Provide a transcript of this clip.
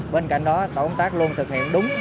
bên cạnh đó tổ công tác luôn thực hiện đúng